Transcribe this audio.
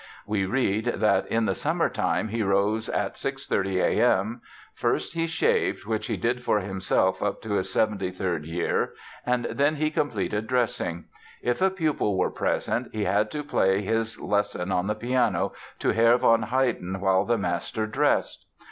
We read that "in the summertime he rose at 6.30 A.M. First he shaved, which he did for himself up to his 73rd year, and then he completed dressing. If a pupil were present, he had to play his lesson on the piano to Herr von Haydn, while the master dressed.